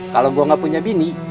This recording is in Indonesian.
kalau gue gak punya bini